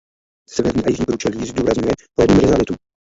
Severní a jižní průčelí zdůrazňuje po jednom rizalitu.